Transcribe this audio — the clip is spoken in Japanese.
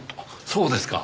そうですか。